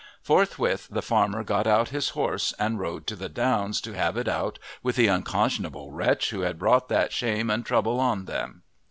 Forthwith the farmer got out his horse and rode to the downs to have it out with the unconscionable wretch who had brought that shame and trouble on them.